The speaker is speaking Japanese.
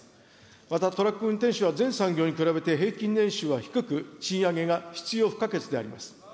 また、トラック運転手は全産業に比べて平均年収は低く、賃上げが必要不可欠であります。